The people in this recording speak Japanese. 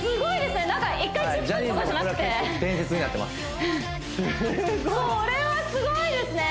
すごいこれはすごいですね